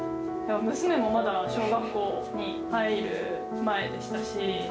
娘もまだ小学校に入る前でしたし。